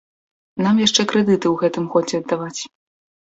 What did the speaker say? Нам яшчэ крэдыты ў гэтым годзе аддаваць.